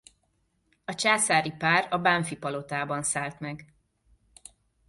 A császári pár a Bánffy-palotában szállt meg.